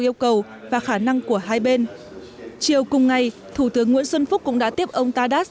yêu cầu và khả năng của hai bên chiều cùng ngày thủ tướng nguyễn xuân phúc cũng đã tiếp ông tadat